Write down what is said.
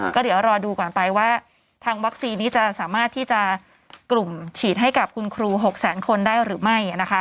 ก็เดี๋ยวรอดูก่อนไปว่าทางวัคซีนนี้จะสามารถที่จะกลุ่มฉีดให้กับคุณครู๖แสนคนได้หรือไม่นะคะ